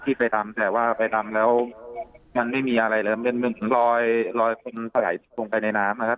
ไปรำแต่ว่าไปรำแล้วมันไม่มีอะไรเลยถึงรอยรอยคนถลายลงไปในน้ำนะครับ